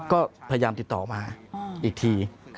ก็พยายามติดต่อมาอีกที